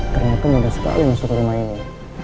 ternyata mudah sekali masuk ke rumah ini